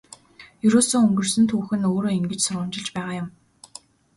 Ерөөсөө өнгөрсөн түүх нь өөрөө ингэж сургамжилж байгаа юм.